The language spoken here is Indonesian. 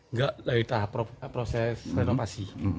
nggak ada lagi proses renovasi